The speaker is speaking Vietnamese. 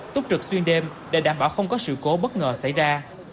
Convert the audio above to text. túc trực xuyên đêm để đảm bảo không có sự cố bất ngờ xảy ra